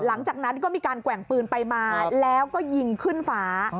หลังจากนั้นก็มีการแกว่งปืนไปมาแล้วก็ยิงขึ้นฟ้า